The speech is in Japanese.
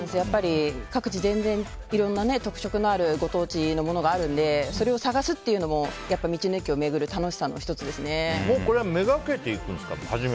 各地全然いろんな特色のあるご当地のものがあるのでそれを探すっていうのも道の駅を巡るこれは目がけて行くんですか？